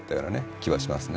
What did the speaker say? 気はしますね。